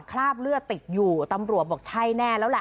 คราบเลือดติดอยู่ตำรวจบอกใช่แน่แล้วแหละ